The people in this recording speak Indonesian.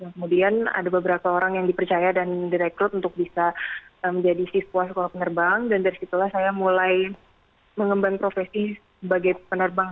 kemudian ada beberapa orang yang dipercaya dan direkrut untuk bisa menjadi siswa sekolah penerbang dan dari situlah saya mulai mengembang profesi sebagai penerbang